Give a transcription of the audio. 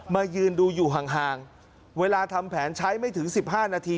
ยืนดูอยู่ห่างเวลาทำแผนใช้ไม่ถึง๑๕นาที